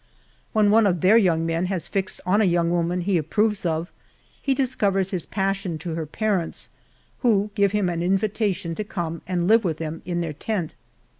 When one of their young men has fixed on a young woman lie approves of\he discovers his passion to her LEWIS AND CLARKE. 9$ parents, who give him an invitation to come and live with them in their tent.